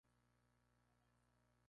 Afectó nuevamente al Gran Mendoza.